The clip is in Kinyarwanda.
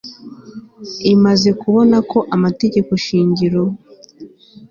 imaze kubona ko amategegeko shingiro